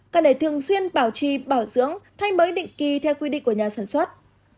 cần để thường xuyên bảo trì bảo dưỡng thay mới định kỳ theo quy định của nhà sản xuất